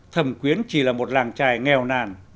thẩm quyến chỉ là một làng trài nghèo nàn nằm cạnh hồng kông